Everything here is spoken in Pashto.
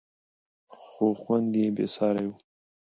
خو خوند یې بېساری و.